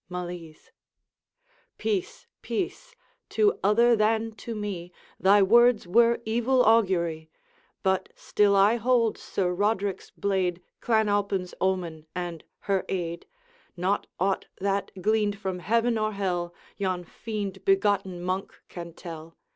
Malise. 'Peace! peace! to other than to me Thy words were evil augury; But still I hold Sir Roderick's blade Clan Alpine's omen and her aid, Not aught that, gleaned from heaven or hell, Yon fiend begotten Monk can tell.